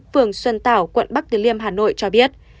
phường xuân tảo quận bắc từ liêm hà nội cho biết